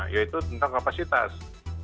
yaitu tentang kapasitas